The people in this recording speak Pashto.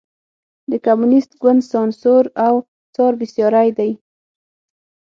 د کمونېست ګوند سانسور او څار بېساری دی.